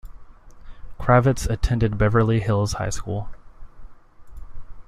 Kravitz attended Beverly Hills High School.